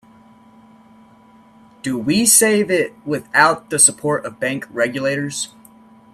Do we save it without the support of bank regulators?